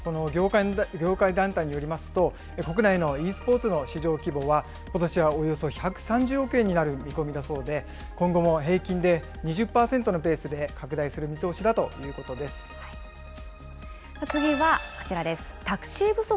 業界団体によりますと、国内のｅスポーツの市場規模はことしはおよそ１３０億円になる見込みだそうで、今後も平均で２０％のペースで拡大する見通しだと次はこちらです。